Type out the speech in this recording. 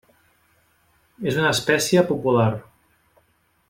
És una espècia popular.